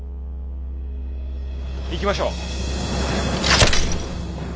行きましょう。